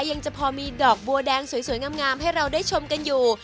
ยังจะพอมีดอกบัวแดงสวยงามให้เราได้ชมกันอยู่